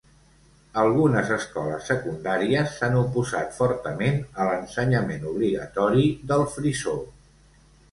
Algunes escoles secundàries s'han oposat fortament a l'ensenyament obligatori del frisó.